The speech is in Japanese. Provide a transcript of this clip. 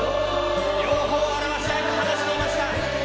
両方表したいと話していました。